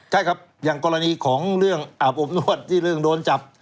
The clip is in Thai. ใช่ครับอย่างกรณีของเรื่องอาบอบนวดที่เรื่องโดนจับ